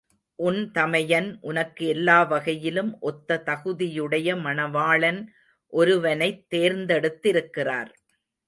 உன் தமையன் உனக்கு எல்லாவகையிலும் ஒத்த தகுதியுடைய மணவாளன் ஒருவனைத் தேர்ந்தெடுத்திருக்கிறார்.